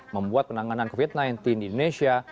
membuat penanganan covid sembilan belas di indonesia